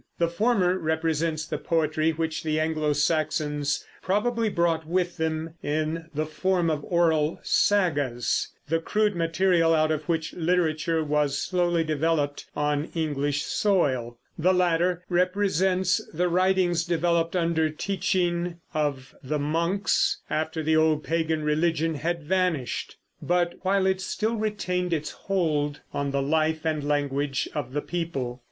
The former represents the poetry which the Anglo Saxons probably brought with them in the form of oral sagas, the crude material out of which literature was slowly developed on English soil; the latter represents the writings developed under teaching of the monks, after the old pagan religion had vanished, but while it still retained its hold on the life and language of the people.